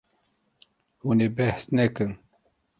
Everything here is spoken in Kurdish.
Hûn ê behs nekin.